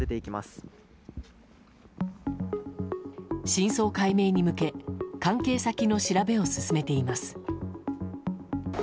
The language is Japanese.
真相解明に向け関係先の調べを進めています。